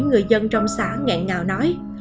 người dân trong xã ngạc ngào nói